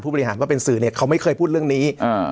บริหารว่าเป็นสื่อเนี่ยเขาไม่เคยพูดเรื่องนี้